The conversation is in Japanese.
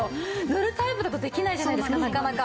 塗るタイプだとできないじゃないですかなかなか。